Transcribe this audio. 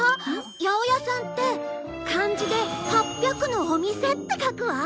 やおやさんって漢字で「八百のお店」って書くわ！